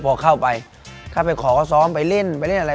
ก็จะพอเข้าไปขอเขาซ้อมไปลิ่นไปลิ่นอะไร